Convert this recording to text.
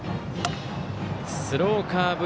スローカーブ。